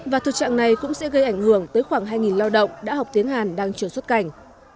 và thực trạng này cũng sẽ gây ảnh hưởng tới khoảng hai lao động đã học tiến hàn đang trở xuất cảnh